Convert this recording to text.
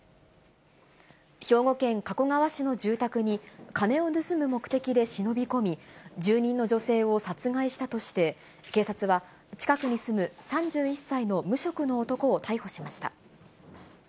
兵庫県加古川市の住宅に、金を盗む目的で忍び込み、住人の女性を殺害したとして、警察は、近くに住む３１歳の無職の男を逮捕しました。